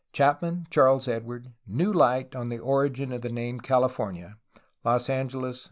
Chapman, Charles Edward. iVcio light on the origin of the name California (Los Angeles.